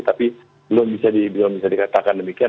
tapi belum bisa dikatakan demikian